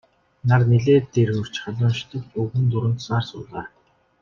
Нар нэлээд дээр хөөрч халуун шатавч өвгөн дурандсаар суулаа.